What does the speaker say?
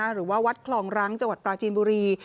หรือว่าวัดคลองรังจังหวัดปราจีนบุรี